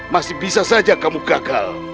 masih bisa saja kamu gagal